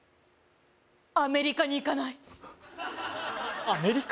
アメリカに行かない？